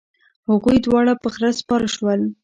هغوی دواړه په خره سپاره شول.